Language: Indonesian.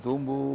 terima kasih pak